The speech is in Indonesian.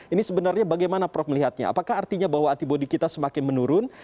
ini sebenarnya bagaimana prof melihatnya apakah artinya bahwa antibody kita semakin menurun